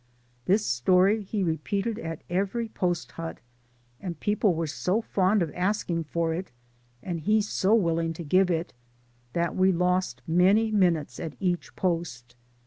This story he repeated at every post hut, and people were 80 fond of asking for it, and he so willing to give it, that we lost many minutes at each post.